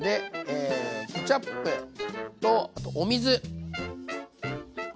ケチャップとあとお水入れます。